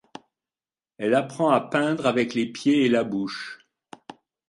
Elle apprend à peindre avec les pieds et la bouche.